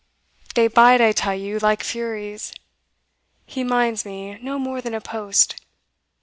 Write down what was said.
they bite, I tell you, like furies. He minds me no more than a post.